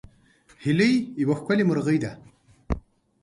هیلۍ یوه ښکلې مرغۍ ده